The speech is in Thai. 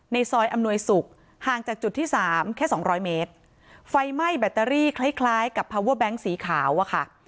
ซอยอำนวยศุกร์ห่างจากจุดที่สามแค่สองร้อยเมตรไฟไหม้แบตเตอรี่คล้ายคล้ายกับพาเวอร์แบงค์สีขาวอะค่ะ